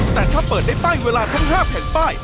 แต่ถ้าเปิดได้ป้ายเวลาทั้ง๕แผ่นป้าย